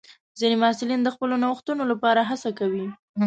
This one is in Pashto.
ځینې محصلین د خپلو نوښتونو لپاره هڅه کوي.